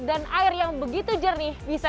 dan air yang begitu jernih bisa